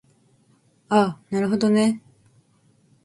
あなるほどね